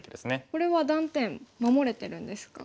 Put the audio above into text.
これは断点守れてるんですか？